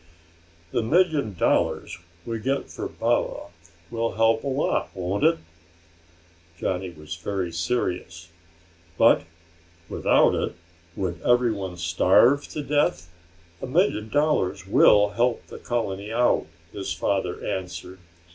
"The million dollars we get for Baba will help out a lot, won't it?" Johnny was very serious. "But, without it, would everybody starve to death?" "A million dollars will help the colony out," his father answered.